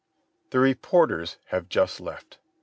... The reporters have just left.